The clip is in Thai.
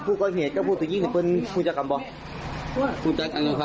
พี่ชายก็วิ่งไปไหนให้กล้าทานค่ะ